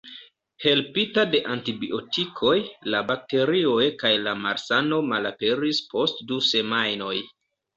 Helpita de antibiotikoj, la bakterioj kaj la malsano malaperis post du semajnoj.